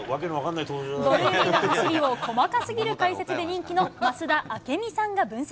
ドルーリーの走りを、細かすぎる解説で人気の増田明美さんが分析。